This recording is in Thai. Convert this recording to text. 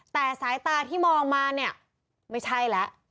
แต่สายตาที่มองมาเนี่ยไม่ใช่แล้ว